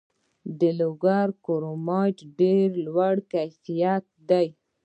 د لوګر کرومایټ د لوړ کیفیت دی